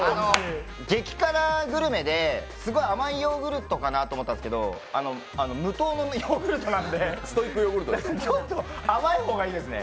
激辛グルメで、すごい甘いヨーグルトかなと思ったんですけど無糖のヨーグルトなんでちょっと甘い方がいいですね。